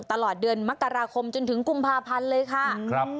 ตลอดเดือนมกราคมจนถึงกุมภาพันธ์เลยค่ะ